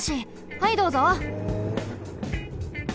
はいどうぞ。